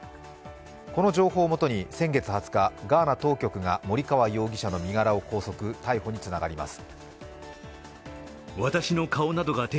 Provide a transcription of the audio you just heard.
この情報をもとに、先月２０日ガーナ当局が森川容疑者の身柄を拘束、逮捕につながります。